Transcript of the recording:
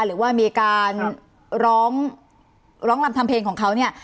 หรือว่ามีการร้องร้องรำทำเพลงของเขาเนี่ย